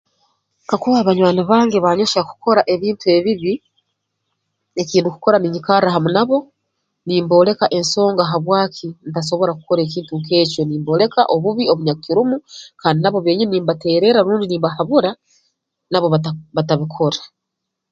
Kakuba banywani bange banyohya kukora ebintu ebibi eki ndukukora ninyikarra hamu nabo nimbooleka ensonga habwaki ntasobora kukora ekintu nk'ekyo nimbooleka obubi obunyakukirimu kandi nabo beenyini nimbateererra rundi nimbahabura nabo bata batabikora